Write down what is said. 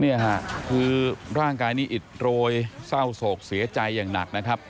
นี่ค่ะคือร่างกายนี้อิดโรยเศร้าโศกเสียใจอย่างหนักนะครับ